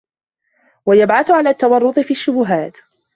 وَيَبْعَثُ عَلَى التَّوَرُّطِ فِي الشُّبُهَاتِ